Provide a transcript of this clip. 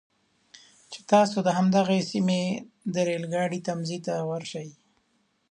چې تاسو د همدغې سیمې د ریل ګاډي تمځي ته ورشئ.